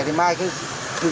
nó chẳng đáng bao nhiêu